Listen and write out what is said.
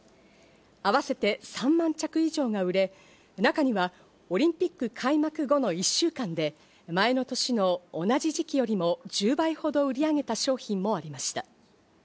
合わせて３万着以上が売れ、中にはオリンピック開幕後の１週間で、前の年の同じ時期よりも１０倍ほど売り上げた商品もありました。